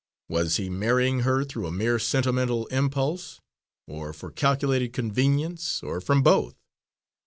Was he marrying her through a mere sentimental impulse, or for calculated convenience, or from both?